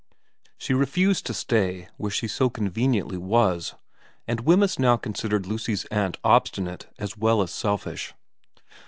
She refused to stay where she so con veniently was, and Wemyss now considered Lucy's aunt obstinate as well as selfish.